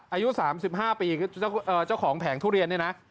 อายุ๓๕ปีเจ้าของแผงทุเรียนเนี่ยนะ